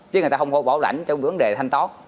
chứ người ta không có bảo lãnh trong vấn đề thanh tót